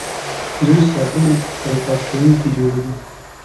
دوی صابون او پاکوونکي جوړوي.